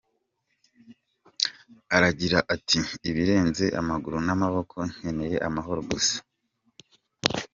Aragira ati: "Ibirenze amaguru n’amaboko nkeneye amahoro gusa,.